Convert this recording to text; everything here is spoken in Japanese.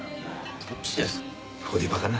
どっちですか。